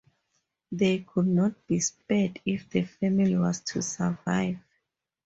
They could not be spared if the family was to survive.